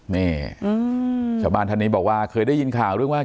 นี่ชาวบ้านท่านนี้บอกว่าเคยได้ยินข่าวเรื่องว่า